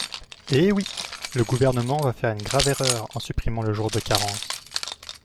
Eh oui ! Le Gouvernement va faire une grave erreur en supprimant le jour de carence.